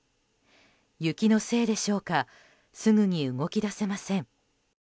雪のせいでしょうかすぐに動き出せません。